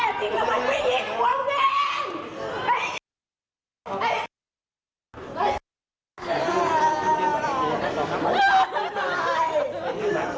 แม่จริงทำไมไม่ยิงหัวแม่ง